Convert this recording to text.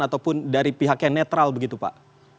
ataupun dari pihak yang netral begitu pak